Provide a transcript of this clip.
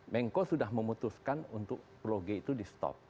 menko sudah memutuskan untuk proge itu di stop